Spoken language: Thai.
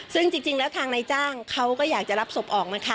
ซึ่งจริงแล้วทางนายจ้างเขาก็อยากจะรับศพออกนะคะ